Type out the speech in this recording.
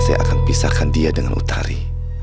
saya akan pisahkan dia dengan utari